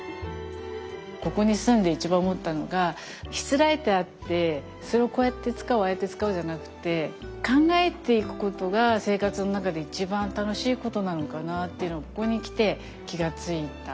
ここに住んで一番思ったのがしつらえてあってそれをこうやって使うああやって使うじゃなくて考えていくことが生活の中で一番楽しいことなのかなっていうのをここに来て気が付いた。